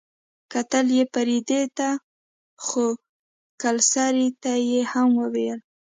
کتل يې فريدې ته خو کلسري ته يې هم وويل.